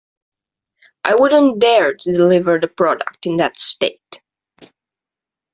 I wouldn't dare to deliver the product in that state.